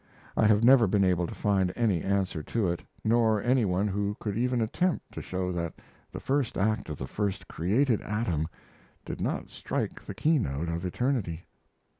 I have never been able to find any answer to it, nor any one who could even attempt to show that the first act of the first created atom did not strike the key note of eternity.